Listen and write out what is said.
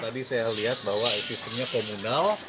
tadi saya lihat bahwa sistemnya komunal